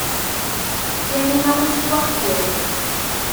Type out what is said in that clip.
Yamina ur tettwaxeyyab.